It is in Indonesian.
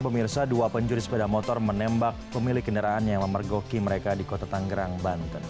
pemirsa dua pencuri sepeda motor menembak pemilik kendaraan yang memergoki mereka di kota tanggerang banten